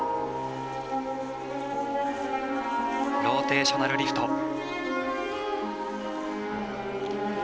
ローテーショナルリフト。